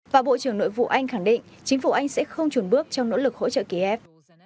và bộ trưởng nội vụ anh khẳng định chính phủ anh sẽ không chuồn bước trong nỗ lực hỗ trợ kiev